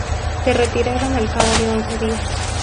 Se retiraron al cabo de once días.